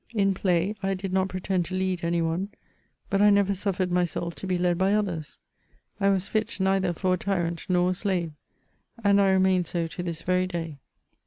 In play, I did not pretend to lead any one, but I never suffered myself to be led by others. I was fit neither for a tyrant nor a slave, and I remain so to this very dav.